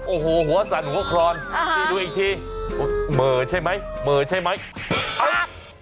โอ้โหหัวสั่นหัวครอนดูอีกทีเหมือนใช่ไหมปั๊บ